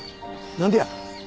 何でや？